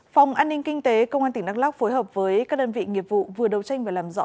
phòng an ninh kinh tế công an tỉnh đắk lóc phối hợp với các đơn vị nghiệp vụ vừa đầu tranh và làm rõ